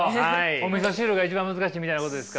おみそ汁が一番難しいみたいなことですか。